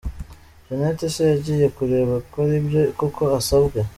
Jeanette se yagiye kureba kwaribyo koko asabwe